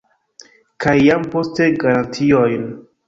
Kaj jam poste garantiojn.